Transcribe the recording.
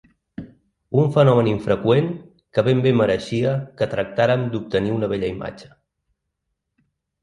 Un fenomen infreqüent que ben bé mereixia que tractàrem d’obtenir una bella imatge.